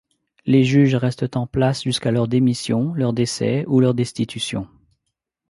Les juges restent en place jusqu'à leur démission, leur décès ou leur destitution.